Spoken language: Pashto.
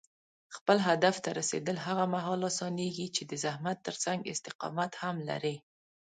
خپل هدف ته رسېدل هغه مهال اسانېږي چې د زحمت ترڅنګ استقامت هم لرې.